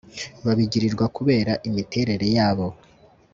babigirirwa kubera imiterere yabo